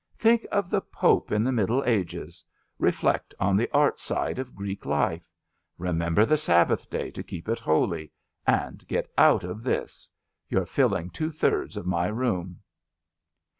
Think of the Pope in the Middle Ages. Beflect on the art side of Oreek life. Bemember the Sabbath day to keep it holy, and get out of this. You're fQling two thirds of my room."